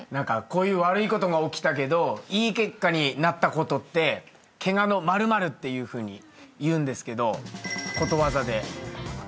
こういう悪いことが起きたけどいい結果になったことって「ケガの○○」っていうふうに言うんですけどことわざで。